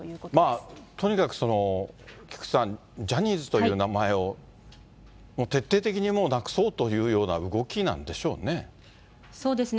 まあとにかく菊池さん、ジャニーズという名前を、徹底的にもうなくそうというような動きそうですね。